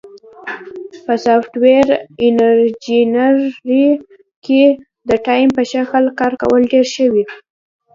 په سافټویر انجینری کې د ټیم په شکل کار کول ډېر ښه وي.